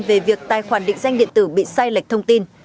về việc tài khoản định danh điện tử bị sai lệch thông tin